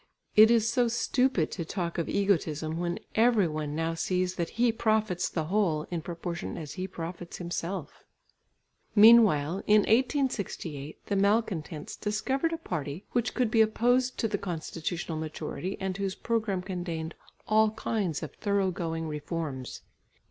It is so stupid to talk of egotism when every one now sees that he profits the whole, in proportion as he profits himself. Meanwhile, in 1868, the malcontents discovered a party which could be opposed to the constitutional majority and whose programme contained all kinds of thorough going reforms.